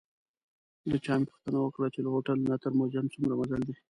له چا مې پوښتنه وکړه چې له هوټل نه تر موزیم څومره مزل دی.